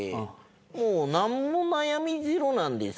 もう何も悩みゼロなんです。